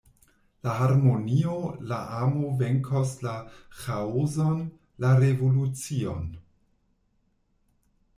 La harmonio, la amo venkos la ĥaoson, la revolucion.